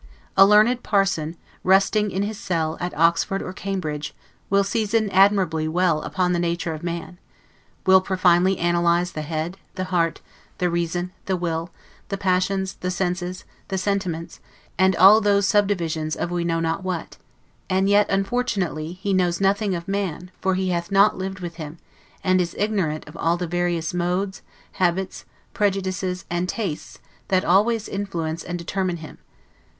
A learned parson, rusting in his cell, at Oxford or Cambridge, will season admirably well upon the nature of man; will profoundly analyze the head, the heart, the reason, the will, the passions, the senses, the sentiments, and all those subdivisions of we know not what; and yet, unfortunately, he knows nothing of man, for he hath not lived with him; and is ignorant of all the various modes, habits, prejudices, and tastes, that always influence and often determine him.